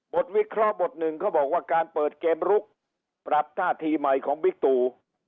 วิเคราะห์บทหนึ่งเขาบอกว่าการเปิดเกมลุกปรับท่าทีใหม่ของบิ๊กตู